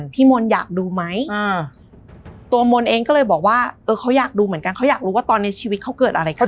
พี่มนต์อยากดูไหมตัวมนต์เองก็เลยบอกว่าเออเขาอยากดูเหมือนกันเขาอยากรู้ว่าตอนนี้ชีวิตเขาเกิดอะไรขึ้น